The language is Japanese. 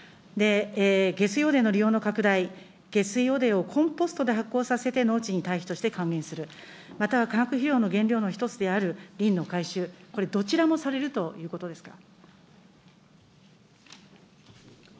下水汚泥の利用の拡大、下水汚泥をコンポストで発酵させて農地に還元する、または化学肥料の原料の一つであるリンのかいしゅう、これ、どちらもされるということですか。